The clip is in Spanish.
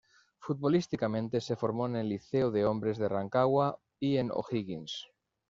Futbolísticamente se formó en el Liceo de Hombres de Rancagua y en O'Higgins.